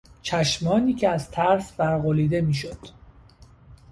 چشمانی که از ترس ورقلیده میشد